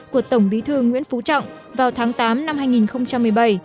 của tổng bí thư nguyễn phú trọng vào tháng tám năm hai nghìn một mươi bảy